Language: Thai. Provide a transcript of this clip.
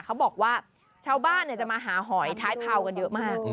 เขาบอกว่าชาวบ้านจะมาหาหอยท้ายเผากันเยอะมาก